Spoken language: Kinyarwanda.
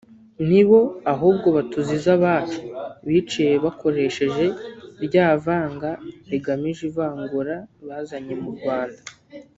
ni bo ahubwo batuziza abacu biyiciye bakoresheje rya vanga rigamije ivangura bazanye mu Rwanda